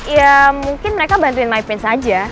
ya mungkin mereka bantuin mins aja